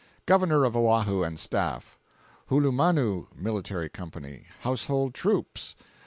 Governor of Oahu and Staff. Hulumanu (Military Company). Household Troops.